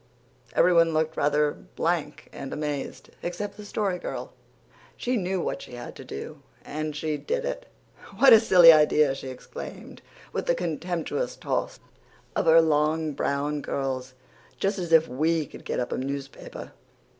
Everyone looked rather blank and amazed, except the Story Girl. She knew what she had to do, and she did it. "What a silly idea!" she exclaimed, with a contemptuous toss of her long brown curls. "Just as if WE could get up a newspaper!"